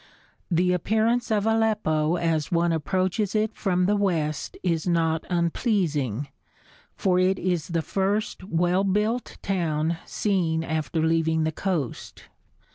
The appearance of Aleppo as one approaches it from the west is not unpleasing, for it is the first well built town seen after leaving the coast.